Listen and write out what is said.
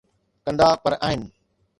ڪندا 'پر آهن.